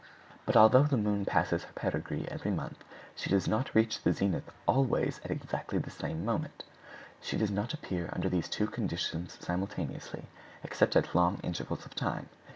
But although the moon passes her perigee every month, she does not reach the zenith always at exactly the same moment. She does not appear under these two conditions simultaneously, except at long intervals of time.